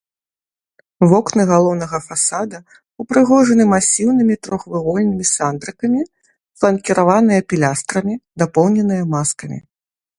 Вокны галоўнага фасада ўпрыгожаны масіўнымі трохвугольнымі сандрыкамі, фланкіраваныя пілястрамі, дапоўненыя маскамі.